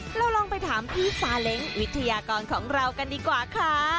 เราลองไปถามพี่ซาเล้งวิทยากรของเรากันดีกว่าค่ะ